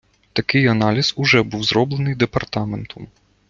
Такий аналіз уже був зроблений департаментом.